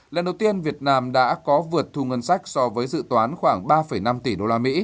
lần đầu tiên việt nam đã có vượt thu ngân sách so với dự toán khoảng ba năm tỷ usd